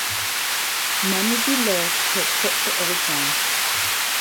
Men would be loath to quit the old home.